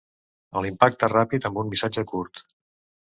A l’impacte ràpid amb un missatge curt.